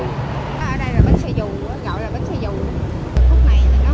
ở đây là bến xe dù